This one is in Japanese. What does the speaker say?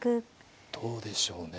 どうでしょうね